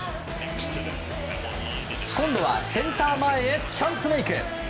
今度はセンター前へチャンスメイク。